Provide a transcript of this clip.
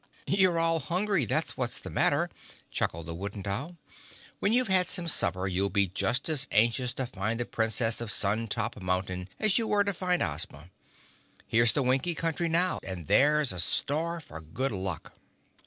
"You're all hungry, that's what's the matter," chuckled the Wooden Doll. "When you've had some supper you'll be just as anxious to find the Princess of Sun Top Mountain as you were to find Ozma. Here's the Winkie Country now, and there's a star for good luck."